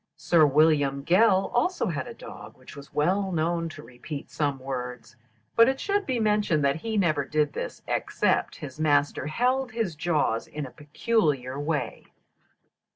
Sir William Gell also had a dog which was well known to repeat some words, but it should be mentioned that he never did this except his master held his jaws in a peculiar way.